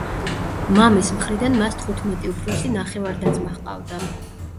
მამის მხრიდან მას თხუთმეტი უფროსი ნახევარ-და-ძმა ჰყავდა.